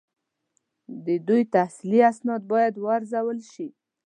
د دوی تحصیلي اسناد باید وارزول شي.